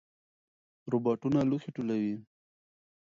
روباټونه لوښي ټولوي.